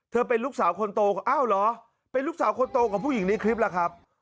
เป็นลูกสาวคนโตอ้าวเหรอเป็นลูกสาวคนโตของผู้หญิงในคลิปล่ะครับ